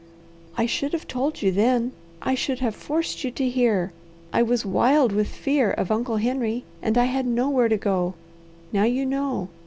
"I should have told you then! I should have forced you to hear! I was wild with fear of Uncle Henry, and I had nowhere to go. Now you know!